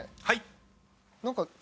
はい。